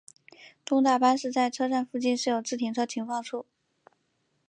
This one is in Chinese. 东大阪市在车站附近设有自行车停放处。